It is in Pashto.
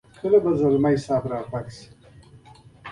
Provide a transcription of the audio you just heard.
کله به ځلمی صاحب را ستون شي.